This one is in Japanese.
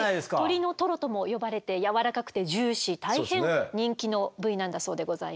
「鶏のトロ」とも呼ばれて軟らかくてジューシー大変人気の部位なんだそうでございます。